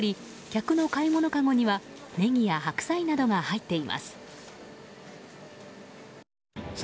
客の買い物かごにはネギや白菜などが入っています。